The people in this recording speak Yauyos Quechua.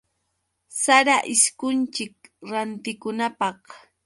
Sara ishkunchik rantikunapaq.